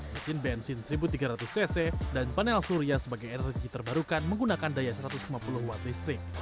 mesin bensin seribu tiga ratus cc dan panel surya sebagai energi terbarukan menggunakan daya satu ratus lima puluh watt listrik